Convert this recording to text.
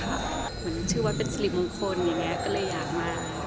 เหมือนชื่อว่าเป็นสิริมงคลอย่างนี้ก็เลยอยากมา